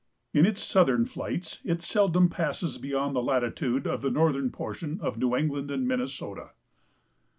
In its southern flights it seldom passes beyond the latitude of the northern portion of New England and Minnesota.